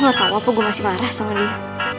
gak tau apa gue masih marah sama dia